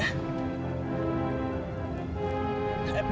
aku sudah berhenti